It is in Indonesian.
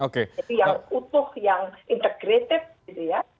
jadi yang utuh yang integratif gitu ya